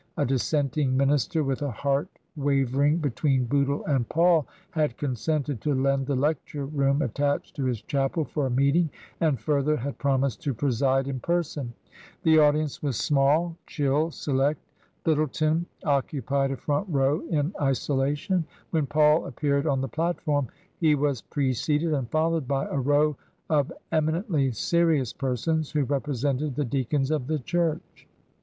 A dissenting min ister, with a heart wavering between Bootle and Paul, had consented to lend the lecture room attached to his chapel for a meeting, and further had promised to preside in person. The audience was small, chill, select. Lyttle« V V V i TRANSITION, 221 ton occupied a front row in isolation. When Paul ap peared on the platform, he was preceded and followed by a row of eminently serious persons who represented the deacons of the church.